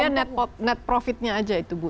dua miliar net profitnya aja itu bu